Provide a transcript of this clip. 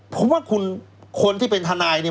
ผมว่าคุณคนที่เป็นทนายเนี่ย